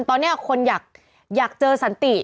ตอนนี้คนอยากเจอสันติ